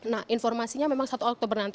nah informasinya memang satu oktober nanti